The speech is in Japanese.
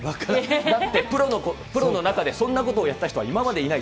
だって、プロの中でそんなことをやった人は今までいない。